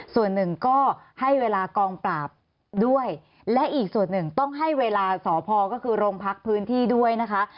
ส่วนหนึ่งก็ให้เวลากองปราบด้วยและอีกส่วนหนึ่งต้องให้เวลาสพก็คือโรงพักพื้นที่ด้วยนะคะ